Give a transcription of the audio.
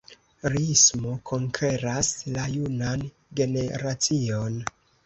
Riismo konkeras la junan generacion.